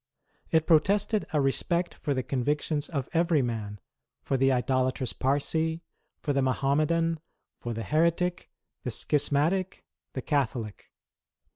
It protested a respect for the convictions of every man, for the idolatrous Parsee, for the Mahommedan, for the Heretic, the Schismatic, the Catholic.